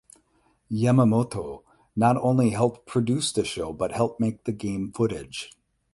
Yamamoto not only helped produce the show but helped make the game footage.